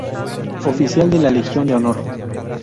Oficial de la Legión de Honor.